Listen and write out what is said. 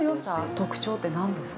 特徴ってなんですか。